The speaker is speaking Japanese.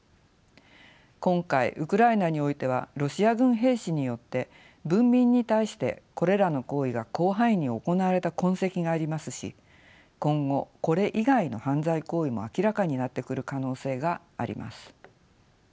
今回ウクライナにおいてはロシア軍兵士によって文民に対してこれらの行為が広範囲に行われた痕跡がありますし今後これ以外の犯罪行為も明らかになってくる可能性があります。